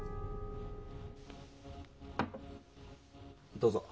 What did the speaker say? どうぞ。